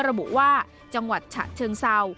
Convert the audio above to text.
ระบุว่าจังหวัดฉะเชิงเศร้า